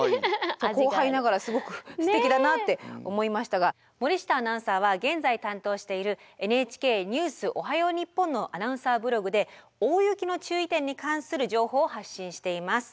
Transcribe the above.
後輩ながらすごくすてきだなって思いましたが森下アナウンサーは現在担当している「ＮＨＫＮＥＷＳおはよう日本」のアナウンサーブログで大雪の注意点に関する情報を発信しています。